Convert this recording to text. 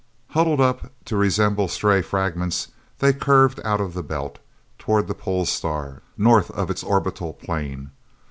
Huddled up to resemble stray fragments, they curved out of the Belt toward the Pole Star, north of its orbital plane.